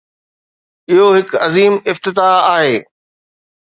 اهو هڪ عظيم افتتاح آهي.